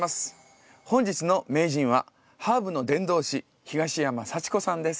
本日の名人はハーブの伝道師東山早智子さんです。